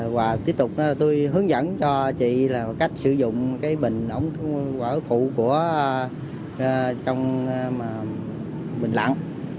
và tiếp tục tôi hướng dẫn cho chị cách sử dụng bình ổng phụ trong bình lặn